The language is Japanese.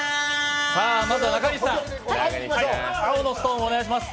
まずは中西さん、青のストーンをお願いします。